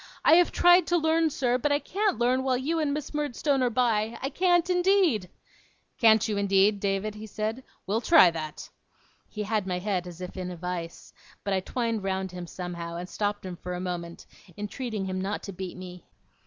I have tried to learn, sir, but I can't learn while you and Miss Murdstone are by. I can't indeed!' 'Can't you, indeed, David?' he said. 'We'll try that.' He had my head as in a vice, but I twined round him somehow, and stopped him for a moment, entreating him not to beat me.